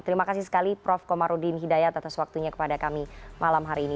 terima kasih sekali prof komarudin hidayat atas waktunya kepada kami malam hari ini